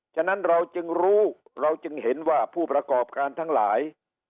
ฉะนั้นเราจึงรู้เราจึงเห็นว่าผู้ประกอบการทั้งหลาย